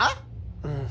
うん。